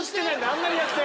あんなにやって。